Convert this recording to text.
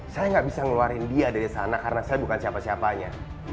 saya nggak bisa ngeluarin dia dari sana karena saya bukan siapa siapanya